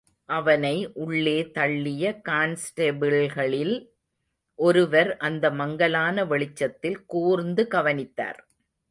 அவனை உள்ளே தள்ளிய கான்ஸ்டெபிள்களில் ஒருவர் அந்த மங்கலான வெளிச்சத்தில் கூர்ந்து கவனித்தார்.